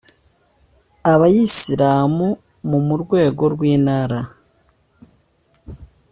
abayisilamu mu mu rwego rw intara